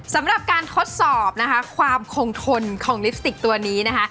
สำหรับการทดสอบนะคะความคงทนของลิปสติกตัวนี้นะคะ